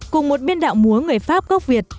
cùng một biên đạo múa người pháp gốc việt